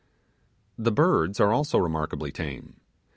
The birds are also remarkably tame.